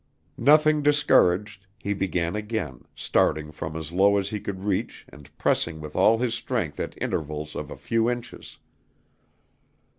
Nothing discouraged, he began again, starting from as low as he could reach and pressing with all his strength at intervals of a few inches.